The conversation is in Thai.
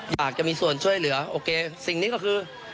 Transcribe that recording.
อยากจะมีส่วนช่วยเหลือโอเคสิ่งนี้ก็คือ